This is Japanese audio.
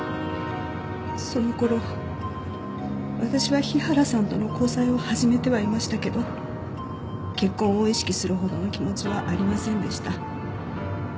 その頃私は日原さんとの交際を始めてはいましたけど結婚を意識するほどの気持ちはありませんでした。